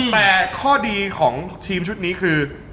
แต่ข้อดีของทีมชุดนี้คือ